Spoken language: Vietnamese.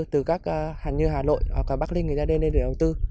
từ các hẳn như hà nội hoặc cả bắc linh người ta đến để đầu tư